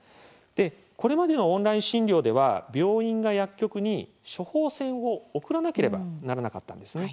これまでのオンライン診療では病院が薬局に処方箋を送らなければならなかったんですね。